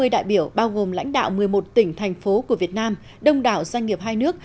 năm mươi đại biểu bao gồm lãnh đạo một mươi một tỉnh thành phố của việt nam đông đảo doanh nghiệp hai nước